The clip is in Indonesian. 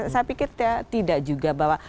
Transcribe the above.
saya pikir tidak juga bahwa